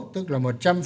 tức là một trăm linh